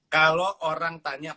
kalau orang tanya